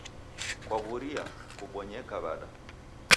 Kaw'uria, kubonyeka w'ada?